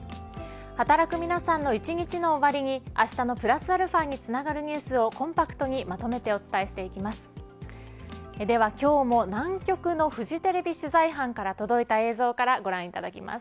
働く皆さんの一日の終わりにあしたのプラスαにつながるニュースをコンパクトにまとめてお伝えしていきます。